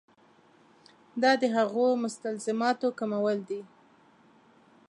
دا د هغو مستلزماتو کمول دي.